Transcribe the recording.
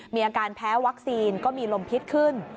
มีอาการแพ้วัคซีนก็มีลมพิษขึ้น